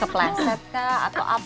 ke plaset ke atau apa